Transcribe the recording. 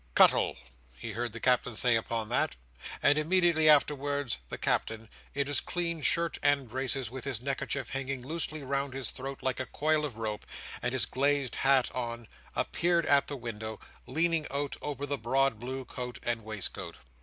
"Cuttle," he heard the Captain say upon that; and immediately afterwards the Captain, in his clean shirt and braces, with his neckerchief hanging loosely round his throat like a coil of rope, and his glazed hat on, appeared at the window, leaning out over the broad blue coat and waistcoat.